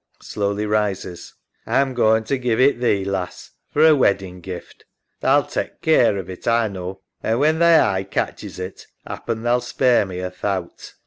{Slowly rises) A'm going to give it thee, lass, for a weddin' gift. Tha'll tak' care of it, A knaw, and when thy eye catches it, 'appen tha'll spare me a thowt.